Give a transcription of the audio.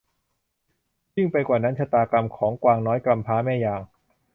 ยิ่งไปกว่านั้นชะตากรรมของกวางน้อยกำพร้าแม่อย่าง